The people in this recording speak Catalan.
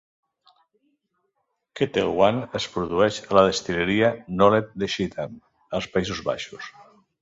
Ketel One es produeix a la destil·leria Nolet de Schiedam, als Països Baixos.